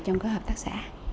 trong các hợp tác xã